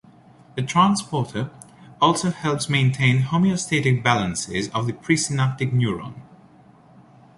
The transporter also helps maintain homeostatic balances of the presynaptic neuron.